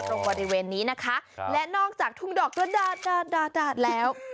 ตรงบริเวณนี้นะคะและนอกจากทุ่งดอกกระดาษดาดแล้ว